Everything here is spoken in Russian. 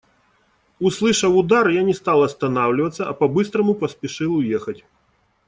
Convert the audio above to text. Услышав удар, я не стал останавливаться, а по-быстрому поспешил уехать.